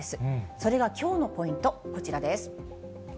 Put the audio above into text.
それがきょうのポイント、こちらです。